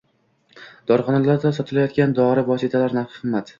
Dorixonalarda sotilayotgan dori vositalari narxi qimmat.